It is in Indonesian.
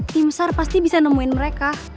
tim sar pasti bisa nemuin mereka